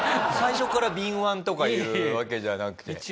最初から敏腕とかいうわけじゃなくて。